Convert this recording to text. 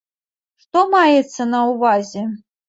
Што маецца на ўвазе?